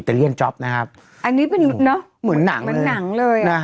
อันนี้เป็นเหมือนหนังเลย